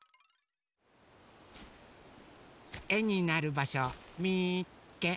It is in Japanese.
えになるばしょみっけ！